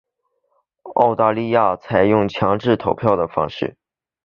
澳大利亚采用的是强制投票的方式。